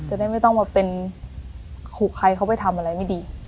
จะได้ไม่ต้องมาเป็นขู่ใครเขาไปทำอะไรไม่ดี